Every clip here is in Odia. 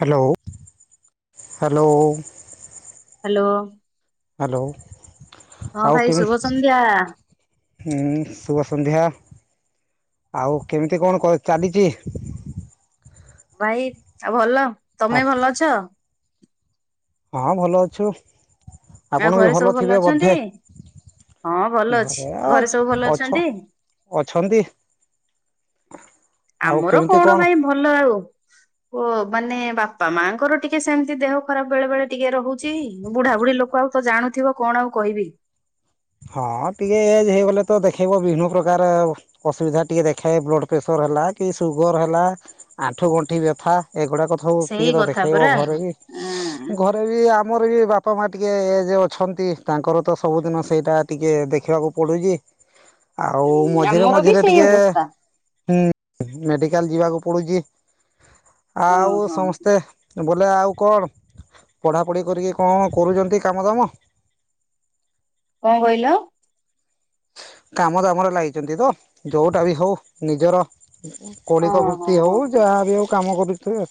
Hello hello. ହାଲୋ। ହାଲୋ ଆଉ ଭାଇ କେବେ ଶୁଭ ସନ୍ଧ୍ୟା [unintelligible] ସନ୍ଧ୍ୟା ଆଉ କେମିତି କଣ କଣ ଚାଲିଛି? ଭାଇ, ଆଉ ଭଲ? ତମେ ଭଲ ଅଛ? ହଁ ଭଲ ଅଛୁ। ଆଉ ଆପଣ ବି ଘରେ ସବୁ ଭଲ ଥିବେ ଅଛନ୍ତି? ବୋଧେ। ହଁ ଭଲ ଅଛି ଘରେ ଆଉ ସବୁ ଭଲ ଅଛନ୍ତି? ଅଛ-ଅଛନ୍ତି। ଆମର କଣ ଭାଇ ଭଲ ଆଉ ଓ ମାନେ ବାପା ମାଙ୍କର ଟିକେ ସେମିତି ଦେହ ଖରାପ ବେଳେ ବେଳେ ଟିକେ ରହୁଛି। ବୁଢା ବୁଢୀ ଲୋକ ଆଉ ତ ଜାଣୁଥିବ। କଣ ଆଉ କହିବି? ହଁ ଟିକେ ଏଜ୍ ହେଇଗଲେ ତ ଦେଖେଇବ। ବିଭିନ୍ନ ପ୍ରକାର ଅସୁବିଧା ଟିକେ ଦେଖାଏ। ବ୍ଲଡ ପ୍ରେସର ହେଲା, କି ସୁଗାର ହେଲା, ଆଣ୍ଠୁ ଗଣ୍ଠି ବ୍ୟଥା ଏଗୁଡାକ ସବୁ ସେଇ ଟିକେ ତ କଥା ଦେଖେଇବ ପରା ଘରେ। ଉଁ ଘରେ ବି ଆ ମର ବି ବାପା ମା ଟିକେ ଏଜ୍ ଅଛନ୍ତି। ତାଙ୍କର ତ ସବୁଦିନ ସେଇଟା ଟିକେ ଦେଖିବାକୁ ପଡୁଛି। ଆଉ ମଝିରେ ଆମର ବି ମଝିରେ ସେଇ ଟିକେ ଅବସ୍ଥା ହୁଁ ମେଡିକାଲ ଯିବାକୁ ପଡୁଛି। ହଁ ଆଉ ହଁ କଣ ସମସ୍ତେ ବୋଲେ ଆଉ କଣ ପଢ଼ାପଢ଼ି କରିକି କଣ କରୁଛନ୍ତି କାମ ଦାମ? [inaudible] କଣ କହିଲ? କାମ ତମର ଲାଗିଛନ୍ତି ତ ଯୋଉଟା ବି ହଉ ନିଜର ହଁ କୌଳିକ ହଁ ବୃତ୍ତି ହଁ ହଉ ହଁ ଯାହାବି ହଉ କାମ କରୁଥିବେ।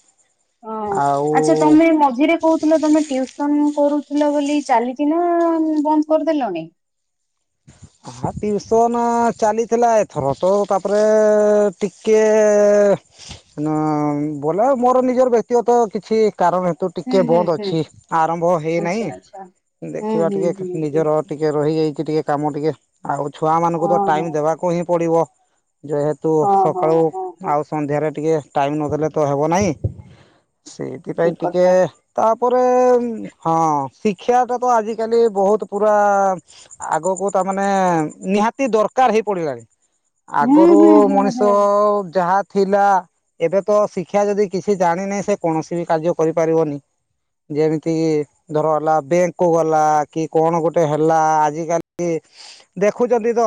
ହଁ। ଆଉ ଆଚ୍ଛା ତମେ ମଝିରେ କହୁଥିଲ, ତମେ ଟ୍ୟୁସନ କରୁଥିଲ ବୋଲି। ଚାଲିଚି ନା ବନ୍ଦ କରିଦେଲଣି? ହଁ ଟିଉସନ୍ ଚାଲିଥିଲା ଏଥର। ତ ତାପରେ ଟିକିଏ ବଲେ ମୋର ନିଜର ବ୍ୟକ୍ତିଗତ କିଛି କାରଣ ହେତୁ ହୁଁ ଟିକେ ହୁଁ ବନ୍ଦ ହୁଁ। ଅଛି। ଆରମ୍ଭ ହେଇନାହିଁ। ଆଚ୍ଛା ଆଚ୍ଛା। ହୁଁ ଦେଖିବା ହୁଁ ଟିକେ ହୁଁ ହୁଁ। ନିଜର ଟିକେ ରହିଯାଇଛି ଟିକେ କାମ ଟିକେ। ଆଉ ଛୁଆ ମାନଙ୍କୁ ତ ହଁ ହଁ ଟାଇମ ଦେବାକୁ ହିଁ ପଡିବ। ଯେହେତୁ ହଁ ହଁ ସକାଳୁ, ହଁ ହଁ ଆଉ ସନ୍ଧ୍ୟାରେ ଟିକେ ଟାଇମ ନଦେଲେ ତ ହେବ ନାହିଁ। ସେଇଥିପାଇଁ ଠିକ ଟିକେ କଥା ତାପ ରେ ହଁ ଶିକ୍ଷାଟା ତ ଆଜିକାଲି ବହୁତ ପୁରା ଆଗକୁ ତା ମାନେ ନିହାତି ଦରକାର ହେଇ ପଡିଲାଣି। ହୁଁ ଆଗରୁ ହୁଁ ହୁଁ ମଣିଷ ହୁଁ। ଯାହା ଥିଲା, ଏବେ ତ ଶିକ୍ଷା ଯଦି କିଛି ଜାଣିନି, ସେ କୌଣସି ବି କାର୍ଯ୍ୟ କରିପାରିବନି। ଯେମିତି କି ଧର ହେଲା ବ୍ୟାଙ୍କକୁ ଗଲା, କି କଣ ଗୋଟେ ହେଲା, ଆଜିିକାଲି ଏ ଦେଖୁଛନ୍ତି ତ।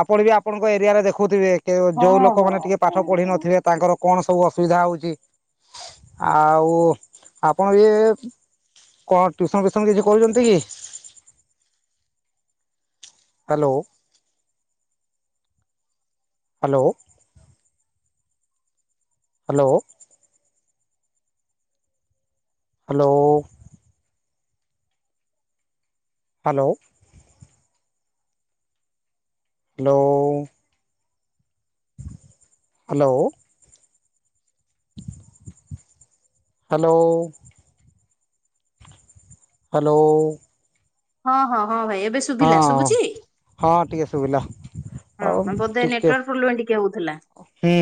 ଆପଣବି ଆପଣଙ୍କ ଏରିଆରେ ଦେଖୁଥିବେ। ହଁ ଯୋଉ ହଁ ଲୋକମାନେ ଟିକେ ପାଠ ହଁ ପଢି ନ ହଁ। ଥିବେ ତାଙ୍କର କଣ ସବୁ ଅସୁବିଧା ହଉଛି। ଆଉ ଆପଣ ଇଏ କଣ ଟ୍ୟୁସନ ଫ୍ୟୁସନ କିଛି କରୁଛନ୍ତି କି? Hello. Hello. Hello. Hello. Hello. Hello. Hello. Hello. Hello. ହଁ ହଁ ହଁ ଭାଇ। ଏବେ ଶୁଭିଲା, ଶୁଭୁଚି? ହଁ ଟିକେ ଶୁଭିଲା ହଁ ଆଉ ବୋଧେ ଟିକେ ନେଟୱାର୍କ ପ୍ରୋବ୍ଲେମ୍ ଟିକେ ହଉଥିଲା। ହୁଁ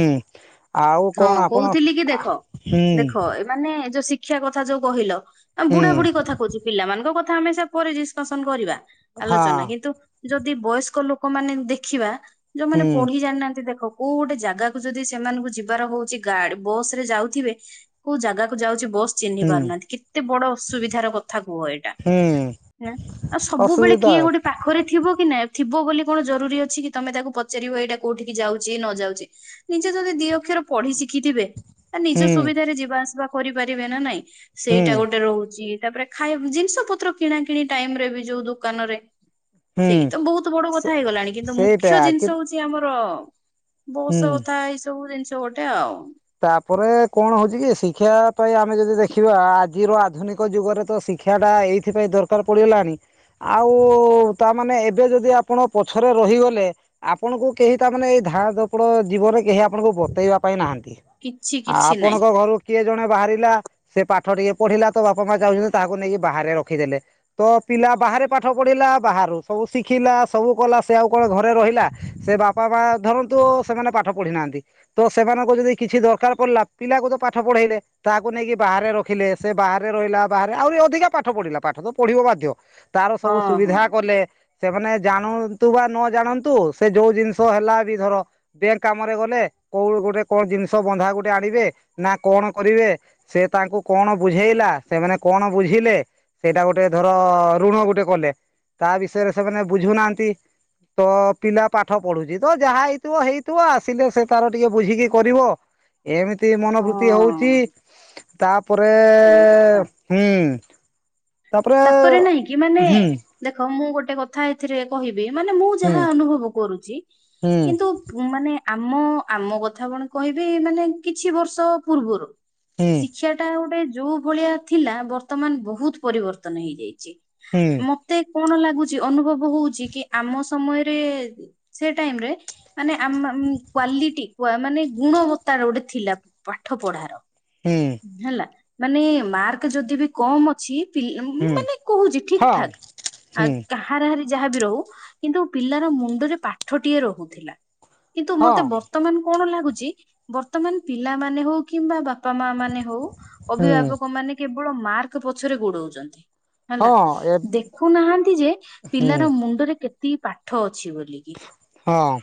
ଆଉ କଣ ହଁ ଆପଣ କହୁଥିଲି କି ଦେଖ ହୁଁ ଦେଖ ଏମାନେ ଯୋଉ ଶି ଶିକ୍ଷା କଥା ଯୋଉ କହିଲ ହୁଁ ବୁଢା ବୁଢୀ କଥା କହୁଛି ପିଲାମାନଙ୍କ କଥା ଆମେ ପରେ ଡିସକସନ କରିବା। ହଁ ଆଲୋଚନା କିନ୍ତୁ ଯଦି ବୟସ୍କ ଲୋକମାନେ ଦେଖିବା ଯୋଉମାନେ ହୁଁ ପଢି ଜାଣିନାହାନ୍ତି ଦେଖ। କୋଉ ଗୋଟେ ଜାଗାକୁ ଯଦି ସେମାନଙ୍କୁ ଯିବାର ହଉଛି ଗାଡ ବସ ରେ ଯାଉଥିବେ କୋଉ ଜାଗାକୁ ଯାଉଛି। ବସ ଚିହ୍ନି ହୁଁ ପାରୁନାହାନ୍ତି କେତେ ବଡ ଅସୁବିଧାର କଥା କୁହ ଏଇଟା। ହୁଁ ଆଁ ସବୁବେଳେ ଅସୁବିଧା କିଏ ଗୋଟେ ପାଖରେ ଥିବ କି ନା ଥିବ ବୋଲି କଣ ଜରୁରୀ। ତମେ ତାକୁ ପଚାରିବ ଏଇଟା କୋଉଠି ଯାଉଛି ନ ଯାଉଛି ନିଜେ ଯଦି ଦି ଅକ୍ଷର ପଢି ଶିଖି ଶିଖିଥିବେ ନିଜ ହୁଁ ସୁବିଧାରେ ଯିବା ଆସିବା କରିପାରିବେ ନା ନାଇଁ ହୁଁ ସେଇଟା ଗୋଟେ ରହୁଛି। ତାପରେ ଖାଇବୁ ଜିନିଷପତ୍ର କିଣାକିଣି ଟାଇମରେ ବି ଯୋଉ ଦୋକାନରେ। ସେଇ ହୁଁ ତ ବହୁତ ବଡ ସେ କଥା ହେଇଗଲାଣି କିନ୍ତୁ ମୁଖ୍ୟ ସେଇଟା କି ଜିନିଷ ହଉଛି ଆମର। ହୁଁ ବଷ କଥା ଏଇ ସବୁ ଜିନିଷ ଗୋଟେ ଆଉ। ତାପରେ କଣ ହଉଛି କି ଶିକ୍ଷା ପାଇଁ ଆମେ ଯଦି ଦେଖିବା ଆଜିର ଆଧୁନିକ ଯୁଗରେ ତ ଶି ଶିକ୍ଷା ଟା ଏଇଥିପାଇଁ ଦରକାର ପଡିଗଲାଣି। ଆଉ ତାମାନେ ଏବେ ଯଦି ଆପଣ ପଛରେ ରହିଗଲେ ଆପଣଙ୍କୁ କେହି ତାମାନେ ଏ ଧାଆଁ ଧପଡ ଜୀବନରେ କେହି ଆପଣଙ୍କୁ ବତେଇବା ପାଇଁ ନାହାଁନ୍ତି। କିଛି କିଛି ନାହିଁ ଆପଣଙ୍କ ଘରୁ କିଏ ଜଣେ ବାହାରି ସେ ପାଠ ଟିକେ ପଢିଲା ତ ବାପା ମା ଯାଉଛନ୍ତି ତାହାକୁ ନେଇକି ବାହାରେ ରଖିଦେଲେ ତ ପିଲା ବାହାରେ ପା ପାଠ ପଢିଲା ବାହାରୁ ସବୁ ଶିଖିଲା ସବୁ କଲା ସେ ଆଉ କଣ ଘରେ ରହିଲା ସେ ବାପା ମା ଧରନ୍ତୁ। ସେମାନେ ପାଠ ପଢି ନାହାନ୍ତି ତ ସେମାନଙ୍କୁ ଯଦି କିଛି ଦରକାର ପଡିଲା ପିଲାକୁ ତ ପାଠ ପଢେଇଲେ ତାହାକୁ ନେଇକି ବାହାରେ ରଖିଲେ ସେ ବାହାରେ ରହିଲା ବାହାରେ ଆହୁରି ଅଧିକା ପାଠ ପଢିଲା ପାଠ ତ ପଢିବ ବାଧ୍ୟ ତାର ହଁ ସବୁ ହଁ ସୁବିଧା କଲେ। ସେମାନେ ଜାଣନ୍ତୁ ବା ନ ଜାଣନ୍ତୁ ସେ ଯୋଉ ଜିନିଷ ହେଲା ବି ଧର ବ୍ୟାଙ୍କ କାମରେ ଗଲେ। କୋଉ ଗୋଟେ କଣ ଜି ବନ୍ଧା ଗୋଟେ ଆଣିବେ ନା କଣ କରିବେ ସେ ତାଙ୍କୁ କଣ ବୁଝେଇଲା ସେମାନେ କଣ ବୁ ବୁଝିଲେ ସେଇଟା ଗୋଟେ ଧର ଋଣ ଗୋଟେ କଲେ। ତା ବିଷୟରେ ସେମାନେ ବୁଝୁନାହାନ୍ତି। ତ ପିଲା ପାଠ ପଢୁଚି ତ ଯାହା ହେଇଥିବ ହେଇଥିବ ଆସିଲେ ସେ ତାର ଟିକେ ବୁଝିକି କରିବ। ଏମି ଏମିତି ମନୋବୃତ୍ତି ହଉଛି ହଁ ତାପରେ ସେଇ କଥା ହୁଁ। ତାପରେ ନାଇଁ କି ମାନେ ହୁଁ ଦେଖ ମୁଁ ଗୋଟେ ଗୋଟେ କଥା ଏଥିରେ କହିବି ମାନେ ମୁଁ ହୁଁ ଯାହା ଅନୁଭବ କରୁଛି ହୁଁ କିନ୍ତୁ ମାନେ ଆମ ଆମ କଥା କଣ କହିବେ ମାନେ କିଛି ବର୍ଷ ପୂର୍ବରୁ ହୁଁ ଶିକ୍ଷା ଟା ଗୋଟେ ଯୋଉ ଭଳିଆ ଥିଲା ବର୍ତ୍ତମାନ ବହୁତ ପରିବର୍ତ୍ତନ ହେଇଯାଇଛି। ହୁଁ ମତେ। କଣ ଲାଗୁଛି ଅନୁଭବ ହଉଛି କି ଆମ ସମୟରେ ସେ ଟାଇମରେ ମାନେ ଆମ କ୍ଵାଲିଟି ମାନେ ଗୁଣବତାର ଗୋଟେ ଥିଲା ପାଠ ପଢାର। ହୁଁ ହେଲା ମାନେ ମାର୍କ ଯଦି ବି କମ ଅଛି। ହୁଁ ମାନେ କହୁଛି ହଁ ଠିକଠାକ ହୁଁ ଆଉ କାହାର ଯାହାବି ରହୁ କିନ୍ତୁ ପିଲାର ମୁଣ୍ଡରେ ପାଠଟିଏ ରହୁଥିଲା। କିନ୍ତୁ ମତେ ହଁ ବର୍ତ୍ତମାନ କଣ ଲାଗୁଛି ବର୍ତ୍ତମାନ ପିଲାମାନେ ହଉ କିମ୍ବା ବାପା ମା ମାନେ ହଉ ହୁଁ ଅଭିଭାବକ ମାନେ କେବଳ ମାର୍କ ପଛରେ ଗୋଡଉଛନ୍ତି। ହେଲା। ହଁ ଏ ଦେଖୁନାହାଁନ୍ତି ଯେ ହୁଁ ପିଲାର ମୁଣ୍ଡରେ କେତେ କି ପାଠ ଅଛି ବୋଲିକି। ହଁ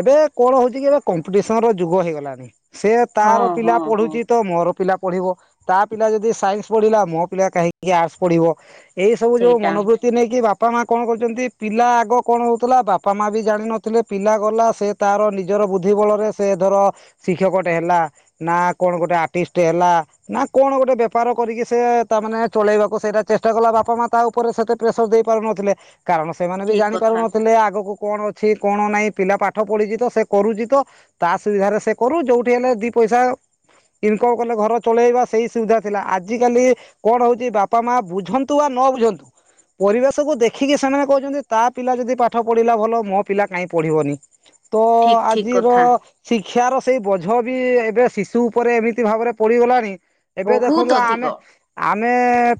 ଏବେ କଣ ହଉଛି କି ଏବେ କମ୍ପିଟିସନ ର ଯୁଗ ହେଇଗଲାଣି ସେୟା ହଁ ତାର ପିଲା ହଁ ହଁ ପଢୁଛି ତ ମୋର ପିଲା ପଢିବ, ତା ପିଲା ଯଦି ସାଇନ୍ସ ପଢିଲା ମୋ ପିଲା କାହିଁକି ଆର୍ଟସ ପଢିବ। ଏଇ ସବୁ ଯୋଉ ସେଇଟା ମନୋବୃତ୍ତି ନେଇକି ବାପା ମା କଣ କରୁଚନ୍ତି ପିଲା ଆଗ କଣ ହଉଥିଲା ବା ପା ମା ବି ଜାଣିିନଥିଲେ ପିଲା ଗଲା ସେ ତାର ନିଜର ବୁଦ୍ଧି ବଳରେ ସେ ଧର ଶିକ୍ଷକଟେ ହେଲା ନା କଣ ଗୋଟେ ଆର୍ଟିଷ୍ଟ ହେଲା, ନା କଣ ଗୋଟେ ବେପାର କରିକି ସେ ତାମାନେ ଚଳେଇବାକୁ ସେଇଟା ଚେଷ୍ଟା କଲା ବାପା ମା ତା ଉପରେ ସେତେ ପ୍ରେସର ଦେଇ ପାରୁନଥିଲେ, କାରଣ ସେମାନେ ବି ଠିକ ଜାଣି କଥା ପାରୁନଥିଲେ ଆଗକୁ କଣ ଅଛି କଣ ନାହିଁ ପିଲା ପାଠ ପଢ଼ିଚି, ତ ସେ କରୁଚି ତ ତା ସୁବିଧାରେ ସେ କରୁ ଯୋଉଠି ହେଲେ ଦି ପ ପଇସା ଇନକମ କଲେ ଘର ଚଳେଇବା ସେଇ ସୁବିଧା ଥିଲା। ଆଜିିକାଲି କଣ ହଉଚି ବାପା ମା ବୁଝନ୍ତୁ ବା ନ ନ ବୁଝନ୍ତୁ, ପରିବେଶକୁୁ ଦେଖିକି ସେମାନେ କହୁଚନ୍ତି ତା ପିଲା ଯଦି ପାଠ ପଢିଲା ଭଲ ଲୋ ମୋ ପିଲା କାଇଁ ପଢିବନି। ତ ଠିକ ଠିକ ଆଜିର କଥା। ଶି କ୍ଷାର ସେଇ ବୋଝ ବି ଏବେ ଶିଶୁ ଉପରେ ଏମିତି ଭାବରେ ପଡ଼ିଗଲାଣି ଏବେ ବହୁତ ଦେଖନ୍ତୁ ଅଧିକ ଆମେ ଆ ମେ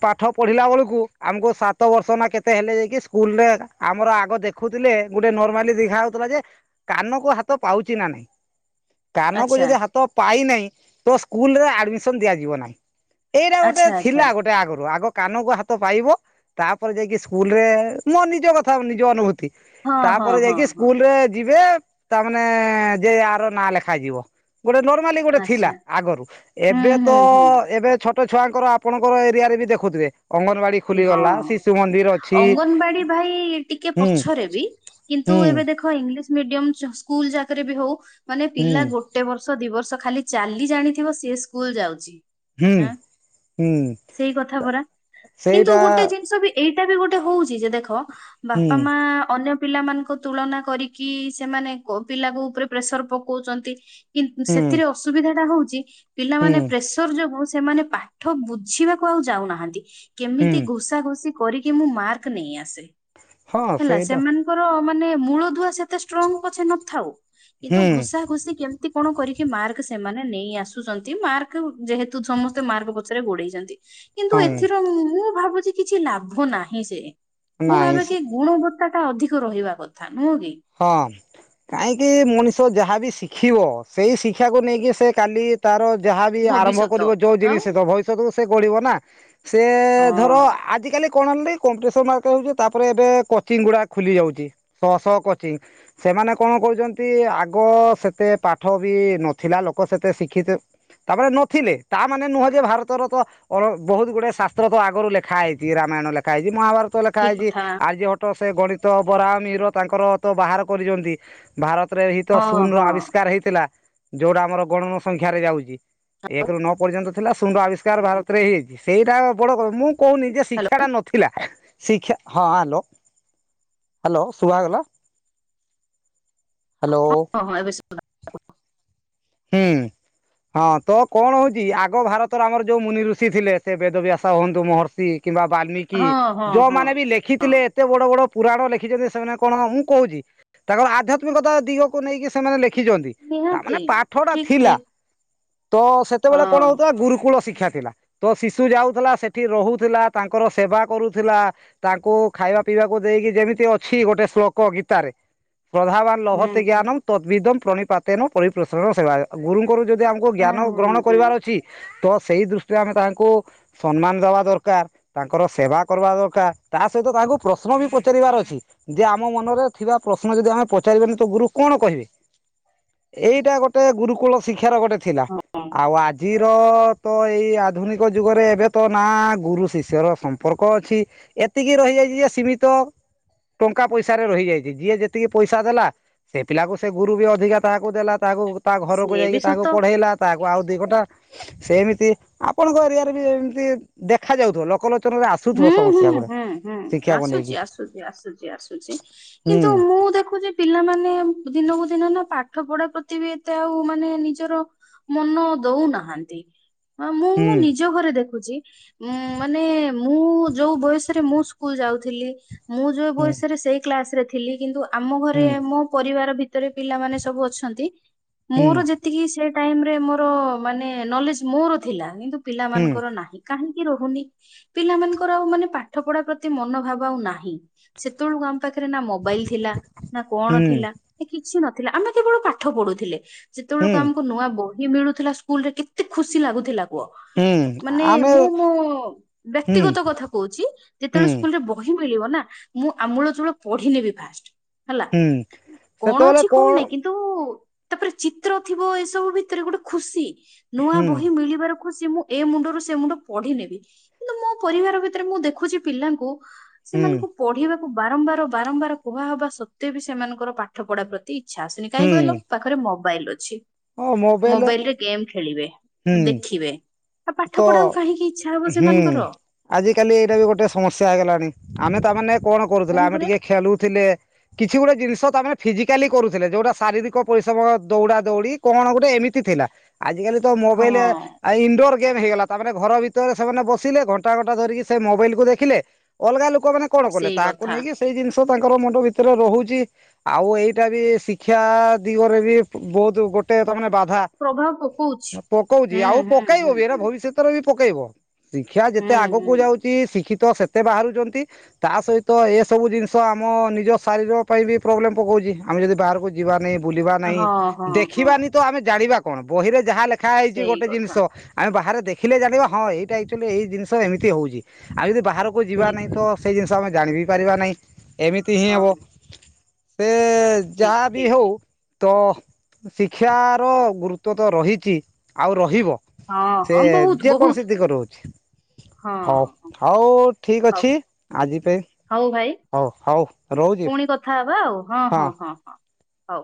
ପାଠ ପଢିଲା ବଳକୁ ଆମକୁ ସାତ ବର୍ଷ ନା କେତେ ହେଲେ ଯାଇକି ସ୍କୁଲ୍ ରେ ଆମର ଆଗ ଦେଖୁଥିଲେ ଗୋଟେ ନର୍ମାଲି ଦେଖା ହଉଥିଲା ଯେ କାନକୁ ହାତ ପାଉଚି ନା ନାହିଁ। କାନକୁ ଆଚ୍ଛା ଯଦି ହାତ ପାଇନାଇଁ ତ ସ୍କୁଲ୍ ରେ ଆଡମିସନ୍ ଦିଆଯିବ ନାହିଁ। ଏଇଟା ଗୋଟେ ଆଚ୍ଛା ଆଚ୍ଛା ଥିଲା ଗୋଟେ ଆଗରୁ। ଆଗ କାନକୁ ହାତ ପାଇବ ତାପରେ ଯାଇକି ସ୍କୁଲ୍ ରେ ମୋ ନିଜ କଥା ନିଜ ଅନୁଭୂତି। ହଁ ହଁ ତାପରେ ହଁ ଯାଇକି ହଁ। ସ୍କୁଲ୍ ରେ ଯିବେ ତାମାନେ ଯେ ଆର ନାଁ ଲେଖା ଯିବ। ଗୋଟେ ନର୍ମାଲି ଗୋଟେ ଥିଲା ଆଚ୍ଛା ଆଗରୁ। ହୁଁ ଏବେ ତ ହୁଁ ହୁଁ ଏବେ ଛୋ ଟ ଛୁଆଙ୍କର ଆପଣଙ୍କର ଏରିଆରେ ବି ଦେଖୁଥୁବେ। ଅଙ୍ଗନବାଡି ଖୋଲିଗଲା। ହଁ। ଶିଶୁ ମନ୍ଦିର ଅଛି। ଅଙ୍ଗନବାଡି ଭାଇ ଟିକେ ହୁଁ ପଛରେ ବି କିନ୍ତୁ ହୁଁ ଏବେ ଦେଖ ଇଂଲିଶ ମିଡିୟମ୍ ସ-ସ୍କୁଯ ଯାକରେ ବି ହଉ ମାନେ ହୁଁ ପିଲା ଗୋଟେ ବର୍ଷ ଦି ବର୍ ଷ ଖାଲି ଚାଲି ଜାଣିଥିବ ସିଏ ସ୍କୁଲ୍ ଯାଉଛି। ହୁଁ ଆଁ, ହୁଁ ସେଇ କଥା ପରା। ତୁ ସେଇଟା ଗୋଟେ ଜିନିଷ ବି ଏଇଟା ବି ଗୋଟେ ହଉଚି ଯେ ଦେଖ ହୁଁ ବାପା ମା ଅନ୍ୟ ପିଲାମାନଙ୍କ ତୁଳନା କରିକି ସେମାନେ କ-ପିଲାଙ୍କ ଉପରେ ପ୍ରେସର୍ ପକଉଚନ୍ତି। କିନ୍ ହୁଁ ସେଥିରେ ଅସୁବିଧା ଟା ହଉଚି ହୁଁ ପିଲାମାନେ ପ୍ରେସର୍ ଯୋଗୁ ସେମାନେ ପାଠ ବୁଝିବାକୁ ଆଉ ଯାଉନାହାନ୍ତି। ହୁଁ କେମିତି ଘୋଷା ଘୁସି କରିକି ମୁଁ ମାର୍କ ନେଇ ଆସେ, ହଁ ହେଲା ସେଇଟା ସେମାନଙ୍କର ମାନେ ମୂଳଦୁଆ ସେ ସେ ଷ୍ଟ୍ରଙ୍ଗ ପଛେ ନଥାଉ କିନ୍ତୁ ହୁଁ ଘୋଷା ଘୁସି କେମିତି କଣ କରିକି ମାର୍କ ସେମାନେ ନେଇ ଆସୁଚନ୍ତି। ମାର୍କ ଯେହେତୁ ସମସ୍ତେ ମାର୍କ ପଛରେ ଗୋଡେଇଚନ୍ତି। କିନ୍ତୁ ହଁ ଏଥିରେ ମୁଁ ଭାବୁଚି କିଛି ଲାଭ ନାହିଁ ସେ, ମୁଁ ନାଇଁ ଭାବେ କି ଗୁଣ ବ ସେଟା ଅଧିକ ରହିବା କଥା। ନୁହଁ କି ହଁ କାଇଁକି ମଣିଷ ଯାହାବି ଶିଖିବ, ସେଇ ଶିକ୍ଷାକୁ ନେଇକି ସେ କାଲି ତାର ଯାହା ବିି ଆରମ୍ଭ ଭବିଷ୍ୟତ କରିବ ଯୋଉ ଜିନି ଆଉ ସେତ ଭବିଷ୍ୟତକୁ ସେ ଗଢିବ ନା। ସେ ଧର ହଁ ଆଜିକାଲି କଣ ହେଲି କମ୍ପିଟିସନ ଆକା ହଉଚି, ତାପରେ ଏବେ କୋଚିଙ୍ଗ ଗୁଡା ଖୋଲି ଯାଉଚି। ଶଅ ଶଅ କୋ ଚିଙ୍ଗ ସେମାନେ କଣ କହୁଚନ୍ତି, ଆଗ ସେତେ ପାଠ ବି ନଥିଲା ଲୋକ ସେତେ ଶିଖି ଏତେ ତାପରେ ନଥିଲେ ତା ମାନେ ନୁହଁ ଯେ ଭାରତର ତ ଅଳ ବହୁତ ଗୁଡେ ଶାସ୍ତ୍ର ତ ଆଗରୁ ଲେଖା ହେଇଚି ରାମ ମାଣ ଲେଖା ହେଇଚି। ମହାଭାରତ ଲେଖା ଠିକ ହେଇଚି। କଥା ଆର୍ଯ୍ୟଭଟ୍ଟ ସେ ଗଣିତ, ବରାମିର ତାଙ୍କର ତ ବାହାର କରିଚନ୍ତି। ଭାରତରେ ଭିତ ହଁ ଶୂନ ର ହଁ ଆବିଷ୍କାର ହେଇଥିଲା। ଯୋଉଟା ଆମର ଗଣନ ସଂଖ୍ୟାରେ ଯାଉଚି। ଏକ ରୁ ନଅ ପର୍ଯ୍ୟନ୍ତ ଥିଲା ଶୂନ ର ଆବିଷ୍କାର ଭାରତ ରେ ହେଇଯାଇଚି। ସେଇଟା ବଡ କ ମୁଁ କଉନି ଯେ ଶିକ୍ଷା ହ୍ୟାଲୋ ଟା ନଥିଲା। ଶିକ୍ଷା ହଁ ହାଲୋ ହାଲୋ ଶୁଭାଗଲା। ହ୍ୟାଲୋ ହଁ ହଁ ହଁ ଏବେ ଶୁଭା ଗଲା। ହୁଁ। ହଁ ତ କଣ ହଉଛି ଆଗ ଭାରତର ଆମର ଯୋଉ ମୁନି ଋଷି ଥିଲେ ସେ ବେଦ ବ୍ୟାସ ହୁଅନ୍ତୁ ମହର୍ଷି। କିମ୍ବା ବାଲ୍ମିକି ହଁ ହଁ ହଁ ଯୋଉମାନେ ବି ହଁ ଲେଖିଥିଲେ ଏତେ ବଡ ବଡ। ପୁରାଣ ଲେଖିଛନ୍ତି ସେମାନେ କଣ ମୁଁ କହୁଛି ତାଙ୍କର ଆଧ୍ୟାତ୍ମିକତା ଦିଗକୁ ନେଇକି ସେମାନେ ଲେଖି ଛନ୍ତି ତାମାନେ ନିହାତି ପାଠ ଟା ଠିକ ଥିଲା। ଠିକ ତ ହଁ ସେତେବେଳେ କଣ ହଉଥିଲା ଗୁରୁକୁଳ ଶିକ୍ଷା। ତ ଶିଶୁ ଯାଉଥିଲା ସେଠି ରହୁଥିଲା ତାଙ୍କର ସେବା କରୁଥିଲା ତାଙ୍କୁ ଖାଇବା ପିଇବା। ବାକୁ ଦେଇକି ଯେମିତି ଅଛି ଗୋଟେ ଶ୍ଳୋକ ଗୀତା ରେ। ପ୍ରଧାବାନ ହୁଁ ଲୋଭତେ ଜ୍ଞାନମ୍ ତଦ୍ଭିଦମ୍ ପ୍ରଣିପାତେନ ପରି ପ୍ରସରେଣ ସେବାୟ ଗୁରୁଙ୍କ ଙ୍କରୁ ଯଦି ଆମକୁ ହୁଁ ଜ୍ଞାନ ହୁଁ ଗ୍ରହଣ ହୁଁ କରିବାର ଅଛି। ତ ସେଇ ଦୃଷ୍ଟିରେ ଆମେ ତାଙ୍କୁ ସମ୍ମାନ ଦେବା ଦରକାର ତାଙ୍କର ସେବା କରିବା ଦରକାର ତା ସହିତ। ତାହାଙ୍କୁ ପ୍ରଶ୍ନ ବି ପଚାରିବାର ଅଛି ଯେ ଆମ ମନରେ ଥିବା ପ୍ରଶ୍ନ ଯଦି ଆମେ ପଚାରି ବାନି ତ ଗୁରୁ କଣ କହିବେ। ଏଇଟା ଗୋଟେ ଗୁରୁକୁଳ ଶିକ୍ଷାର ଗୋଟେ ଥିଲା ହୁଁ ଆଉ ଆଜି। ର ତ ଏଇ ଆଧୁନିକ ଯୁଗରେ ଏବେ ତ ନା ଗୁରୁ ଶିଷ୍ୟ ର ସମ୍ପର୍କ ଅଛି। ଏତିକି ରହି ଯାଇଛି ଯେ ସୀମିତ। ଟଙ୍କା ପଇସାରେ ରହିଯାଇଛି ଯିଏ ଯେତିକି ପଇସା ଦେଲା ସେ ପିଲାକୁ ସେ ଗୁରୁ ବି ଅଧିକା ତାହାକୁ ଦେଲା। ତାକୁ ତା ଘରକୁ ସିଏ ବି ଯାଇକି ତାହକୁ ସତ ପଢେଇଲା ତାହକୁ ଆଉ। ଦି ଘଟା ସେମିତି ଆପଣଙ୍କ ଏରିଆରେ ବି ଏମିତି ଦେଖା ଯାଉଥିବ ଲୋକ ଲୋ ହୁଁ ହୁଁ ହୁଁ ହୁଁ ଶିକ୍ଷାକୁ ନେଇକି ଆସୁଛି ଆସୁଛି ଆସୁଛି ଆସୁଛି ହୁଁ କିନ୍ତୁ ମୁଁ ଦେ ଖୁଚି ପିଲାମାନେ ଦିନକୁ ଦିନ ନା ପାଠ ପଢା ପ୍ରତି ବି ଏତେ ଆଉ ମାନେ ନିଜର। ମନ ଦଉନାହାନ୍ତି ମୁଁ ହୁଁ ମୋ ନିଜ ଘରେ ଦେଖୁଛି ଉଁ ମାନେ। ମୁଁ ଯୋଉ ବୟସରେ ମୁଁ ସ୍କୁଲ ଯାଉଥିଲି ମୁଁ ଯୋଉ ହୁଁ ବୟସରେ ସେଇ କ୍ଲାସ ରେ ଥିଲି କିନ୍ତୁ। ଆମ ହୁଁ ଘରେ ମୋ ପରିବାର ଭିତରେ ପିଲାମାନେ ସବୁ ଅଛନ୍ତି ହୁଁ ମୋର ଯେତିକି ସେ ଟାଇମ ରେ ମୋର ମାନେ ନଲେଜ ମୋର ଥିଲା। କିନ୍ତୁ ହୁଁ ପିଲାମାନଙ୍କର ନାହିଁ। କାହିଁକି ରହୁନି? ପିଲାମାନଙ୍କର ଆଉ ମାନେ ପାଠ ପଢା ପ୍ରତି ମନୋଭାବ ଆଉ ନାହିଁ ସେତେ ବେଳକୁ ଆମ ପାଖରେ ନା ମୋବାଇଲ ଥିଲା। ନା ହୁଁ କଣ ଥିଲା। କିଛି ନଥିଲା। ଆମେ କେବଳ ପାଠ ପଢୁଥିଲେ। ହୁଁ। ଯେତେବେଳକୁ ଆମକୁ ନୂଆ ବହି ମିଳୁଥିଲା ସ୍କୁଲ ରେ କେତେ ଖୁସି ଲାଗୁଥିଲା। ହୁଁ ମାନେ ଆମେ ମୁଁ ମୋ ହୁଁ ବ୍ୟକ୍ତିଗତ କଥା କହୁଛି। ହୁଁ ଯେତେବେଳେ ସ୍କୁଲରେ ବହି। ମିଳିବ ନା ମୁଁ ଆମୂଳ ଚୂଳ ପଢିନେବି ଫାଷ୍ଟ। ହେଲା ହୁଁ କଣ ଅଛି କଣ ନାହିଁ କିନ୍ତୁ। ତାପରେ ଚିତ୍ର ଥିବ ଏସବୁ ଭିତରେ ଗୋଟେ ଖୁସି ନୂଆ ହୁଁ ବହି ମିଳିବାର। ଖୁସି ମୁଁ ଏ ମୁଣ୍ଡରୁ ସେ ମୁଣ୍ଡ ପଢିନେବି। କିନ୍ତୁ ମୋ ପରିବାର ଭିତରେ ମୁଁ ଦେଖୁଛି ପିଲାଙ୍କୁ। ହୁଁ ସେମାନଙ୍କୁ ପଢିବାକୁ ବାରମ୍ବାର, ବାରମ୍ବାର କୁହାହବା ସତ୍ତ୍ୱେ ବି, ସେମାନଙ୍କର ପାଠ ପଢା ପ୍ରତି। ଇଚ୍ଛା ଆସୁନି କାହିଁ ହୁଁ କହିଲ ପାଖରେ ମୋବାଇଲ ଅଛି ମୋବାଇଲ ରେ ଗେମ୍ ଖେଳିବେ। ହୁଁ ଦେଖିବେ ଆଉ ପାଠ ପଢାକୁ କାହିଁକି ଇଛା ହବ ସେମାନଙ୍କର। ଆଜି କାଲି ଏଇଟା ବି ଗୋଟେ ସମସ୍ୟା ହେଇଗଲାଣି ଆମେ ତା ମାନେ। କଣ କରୁଥିଲେ ହଁ ଆମେ ପରା ଟିକେ ଖେଲୁଥିଲେ। କିଛି ଗୋଟେ ଜିନିଷ ତମାନେ ଫିଜିକାଲି କରୁଥିଲେ ଯୋଉଟା ଶାରୀରିକ ପରିଶ୍ରମ ଦୌଡା ଦୌଡି କଣ ଗୋଟେ ଏମିତି। ଥିଲା ଆାଜିକାଲି ତ ହଁ ମୋବାଇଲ ଇଣ୍ଡୋର। ଗେମ୍ ହେଇଗଲା ତା ମାନେ ଘର ଭିତରେ ସେମାନେ ବସିଲେ ଘଣ୍ଟା ଘଣ୍ଟା ଧରିକି ସେ ମୋବାଇଲୁ ଦେଖିଲେ ଅଲଗା ଲୋକ ମାନେ କଣ କଲେ ସେଇ ତାକୁ କଥା ନେଇକି ସେଇ ଜିନିଷ। ତାଙ୍କର ମୁଣ୍ଡ ଭିତରେ ରହୁଛି ଆଉ ଏଇଟା ବି ଶିକ୍ଷା ଦିଗରେ ବି ବହୁତ। ଗୋଟେ ତମାନେ ବାଧା ପ୍ରଭାବ ପକଉଛି ପକଉଛି ହୁଁ ଆଉ ହୁଁ ପକେଇବ ହୁଁ ବି ଏରା। ହୁଁ ତରେ ବି ପକେଇବ ଶିକ୍ଷା ଯେତେ ହୁଁ ଆଗକୁ ହୁଁ ଯାଉଛି ଶିକ୍ଷ କ୍ଷିତ ସେତେ ବାହାରୁଚନ୍ତି ତା ସହିତ ଏସବୁ ଜିନିଷ ଆମ ନିଜ ଶାରୀର ପାଇଁ ବି ପ୍ରୋବ୍ଲେମ୍ ପକାଉଛି। ଆମେ ଯଦି ବାହାରକୁ ଯିବା ନି। ବୁଲିବା ନାହିଁ ହଁ ହଁ ହଁ ଦେଖିବାନି ତ ଆମେ ଜାଣିବା କଣ ବହିରେ ଯାହା ଲେଖା ହେଇଛି ସେଇ ଗୋଟେ ଜିନିଷ। କଥା ଆମେ ବାହାରେ ଦେଖିଲେ ଜାଣିବା ହଁ ଏଇଟା ଆକ୍ଚୁୟାଲି ଏଇ ଜିନିଷ ଏମିତି ହଉଛି ଆଉ ଯଦି ବାହାରକୁ ଯିବା ନାହିଁ ଠିକ ତ ସେ ଜିନିଷ ଆମେ ଜାଣି ବି ପାରିବା ନାହିଁ ଏମିତି ହିଁ ହଁ ହବ। ସେ ଠିକ ଯାହା ବି ଠିକ ହଉ। ତ ଶିକ୍ଷାର ଗୁରୁତ୍ୱ ତ ରହିଛି ଆଉ ରହିବ। ହଁ ସେ ହଁ ବହୁତ ଯେ ବହୁତ କୌଣସି ଦିଗ ରହୁଛି। ହଁ ହଉ ହଉ ଠିକ ହଉ ଅଛି ଆଜି ପାଇଁ ହଉ ଭାଇ ହଉ ହଉ ରହୁଛି ପୁଣି କଥା ହବା ଆଉ ହଁ ହଁ ହଁ ହଁ ହଉ।